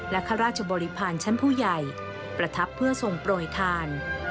ข้าราชบริพาณชั้นผู้ใหญ่ประทับเพื่อทรงโปรยทาน